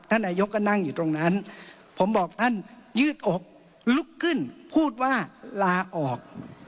นายกก็นั่งอยู่ตรงนั้นผมบอกท่านยืดอกลุกขึ้นพูดว่าลาออก